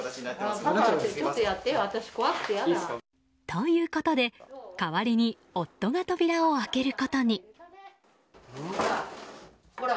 ということで代わりに夫が扉を開けることに。